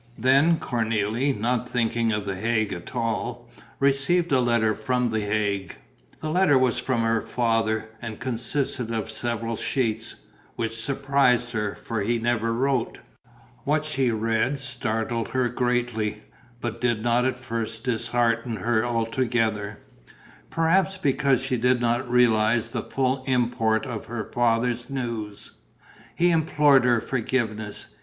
Then Cornélie, not thinking of the Hague at all, received a letter from the Hague. The letter was from her father and consisted of several sheets, which surprised her, for he never wrote. What she read startled her greatly, but did not at first dishearten her altogether, perhaps because she did not realize the full import of her father's news. He implored her forgiveness.